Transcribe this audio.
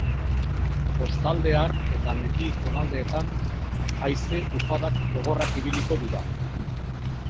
Kostaldean eta mendi zonaldeetan hazei-ufadak gogorrak ibiliko dira.